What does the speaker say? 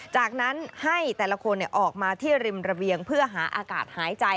จากนั้นให้แต่ละคนออกมาที่ริมระเบียงเพื่อหาอากาศหายใจ